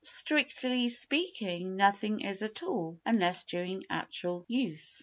Strictly speaking, nothing is a tool unless during actual use.